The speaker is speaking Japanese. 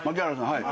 はい。